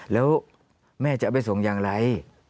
แล้วแม่จะเอาไปส่งอย่างไร